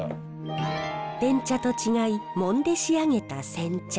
てん茶と違いもんで仕上げた煎茶。